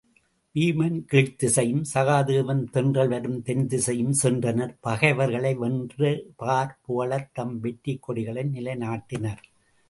வீமன் கீழ்த்திசையும், சகாதேவன் தென்றல் வரும் தென்திசையும் சென்றனர் பகைவர்களை வென்று பார் புகழத்தம் வெற்றிக் கொடிகளை நிலைநாட்டினர்.